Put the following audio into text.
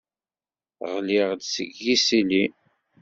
Ɣliɣ-d seg yisili?